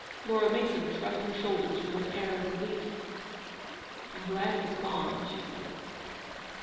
Laura Mason shrugged her shoulders with an air of relief. *f I' m glad he's gone," she said.